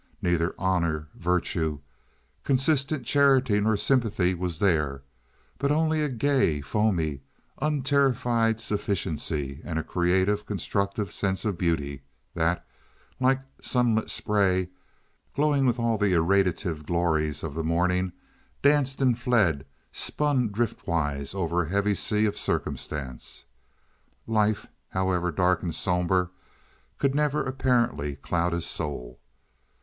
Neither honor, virtue, consistent charity, nor sympathy was there, but only a gay, foamy, unterrified sufficiency and a creative, constructive sense of beauty that, like sunlit spray, glowing with all the irradiative glories of the morning, danced and fled, spun driftwise over a heavy sea of circumstance. Life, however dark and somber, could never apparently cloud his soul.